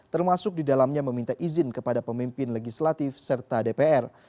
termasuk di dalamnya meminta izin kepada pemimpin legislatif serta dpr